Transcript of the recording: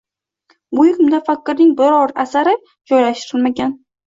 Buyuk mutafakkirning biron asari joylashtirilmagan.